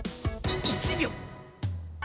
１秒！？